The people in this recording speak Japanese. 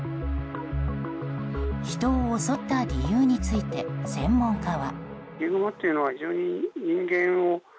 人を襲った理由について専門家は。